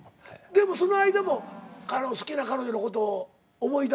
でもその間も好きな彼女のことを思い出すでしょ？